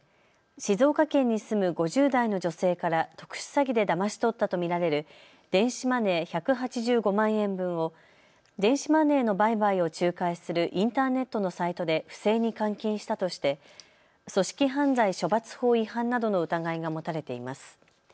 静岡県に住む５０代の女性から特殊詐欺でだまし取ったと見られる電子マネー１８５万円分を電子マネーの売買を仲介するインターネットサイトで不正に換金したとして組織犯罪処罰法違反などの疑いが持たれています。